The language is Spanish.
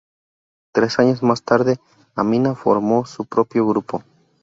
Tres años más tarde, Amina formó su propio grupo.